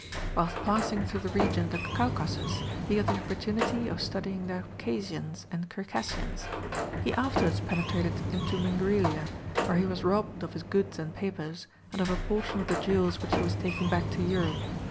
Whilst passing through the region of the Caucasus he had the opportunity of studying the Abkasians and Circassians. He afterwards penetrated into Mingrelia, where he was robbed of his goods and papers, and of a portion of the jewels which he was taking back to Europe.